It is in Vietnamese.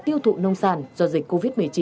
tiêu thụ nông sản do dịch covid một mươi chín